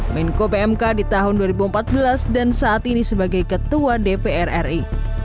menko pmk di tahun dua ribu empat belas dan saat ini sebagai ketua dpr ri